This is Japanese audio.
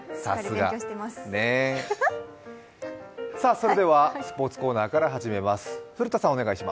それではスポ−ツコーナーから始めます。